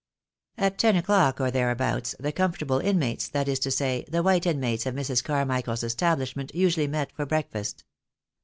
At ten o'clock, or thereabouts, the comfortable inmates, that is to say, the white inmates of Mrs. Carmichael's establishment, usually met for breakfast.